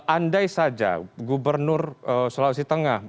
andai saja gubernur sulawesi tengah